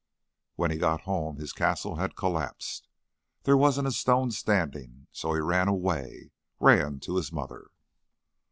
"When he got home his castle had collapsed. There wasn't a stone standing, so he ran away ran to his mother."